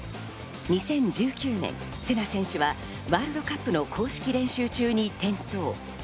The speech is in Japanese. ２０１９年、せな選手はワールドカップの公式練習中に転倒。